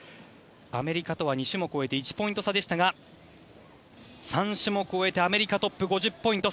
アメリカとは２種目終えて１ポイント差でしたが３種目を終えてアメリカがトップ５０ポイント。